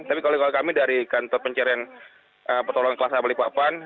tapi kalau kami dari kantor pencarian pertolongan kelas balikpapan